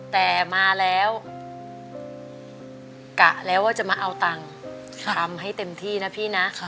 แต่มาแล้วกะแล้วว่าจะมาเอาตังค์ทำให้เต็มที่นะพี่นะ